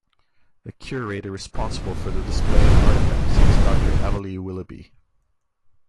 The curator responsible for the display of artifacts is Doctor Avalee Willoughby.